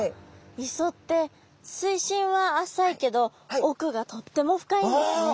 磯って水深は浅いけどおくがとっても深いんですね。